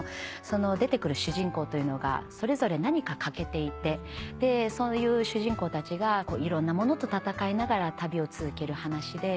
出てくる主人公というのがそれぞれ何か欠けていてそういう主人公たちがいろんなものと戦いながら旅を続ける話で。